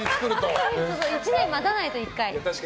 １年待たないと、１回。